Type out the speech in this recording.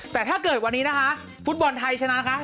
แต่ถ้าเกิดวันนี้นะคะฟุตบอลไทยชนะนะคะ